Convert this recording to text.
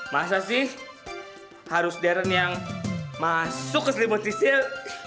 masa sih harus darren yang masuk ke selimut si sil